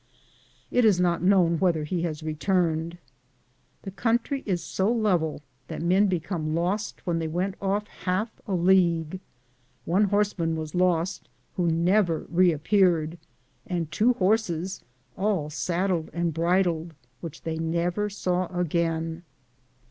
It is not known whether ho has returned. The country is so level that men became lost when they went off half a league. One horseman was lost, who never reappeared, and two horses, all saddled and bridled, which they never saw again.